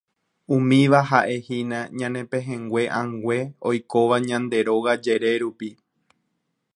Umíva ha'ehína ñane pehẽngue ãngue oikóva ñande róga jere rupi.